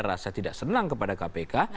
rasa tidak senang kepada kpk